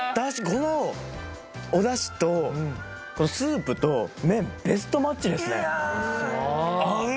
このお出汁とスープと麺ベストマッチですね合う！